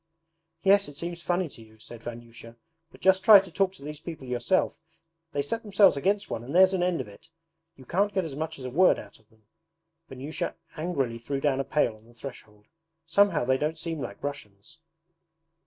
'Yes, it seems funny to you,' said Vanyusha, 'but just try to talk to these people yourself: they set themselves against one and there's an end of it. You can't get as much as a word out of them.' Vanyusha angrily threw down a pail on the threshold. 'Somehow they don't seem like Russians.'